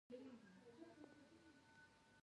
زه له خپل ځان سره مینه لرم.